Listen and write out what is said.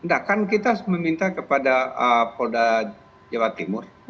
tidak kan kita meminta kepada polda jawa timur